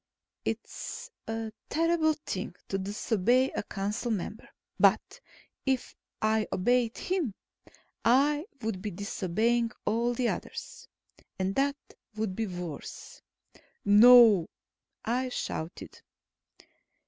It's a terrible thing to disobey a council member. But if I obeyed him, I would be disobeying all the others. And that would be worse. "No!" I shouted.